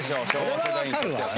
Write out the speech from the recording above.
これはわかるわ。